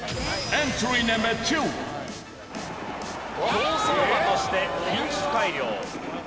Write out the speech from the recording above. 競走馬として品種改良。